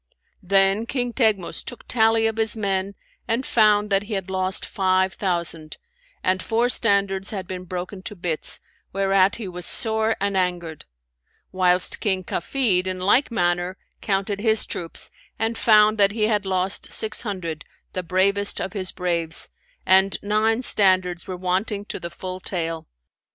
[FN#557] Then King Teghmus took tally of his men and found that he had lost five thousand, and four standards had been broken to bits, whereat he was sore an angered; whilst King Kafid in like manner counted his troops and found that he had lost six hundred, the bravest of his braves, and nine standards were wanting to the full tale.